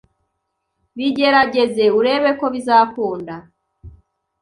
bigerageze urebe ko bizakunda.